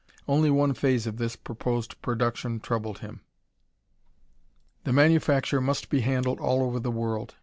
Only one phase of this proposed production troubled him; the manufacture must be handled all over the world.